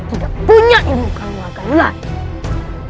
tidak punya ilmu keluarga ulang